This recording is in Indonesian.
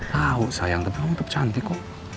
tau sayang tapi kamu tetep cantik kok